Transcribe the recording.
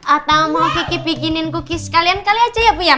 atau mau kiki bikinin cookies kalian kali aja ya puyang